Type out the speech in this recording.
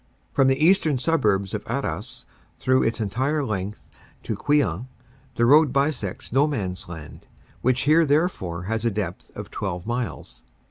From the eastern suburbs of Arras, through its entire length to Queant, the road bisects No Man s Land, which here therefore has a depth of twelve miles.